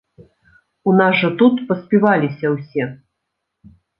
У нас жа тут паспіваліся ўсе.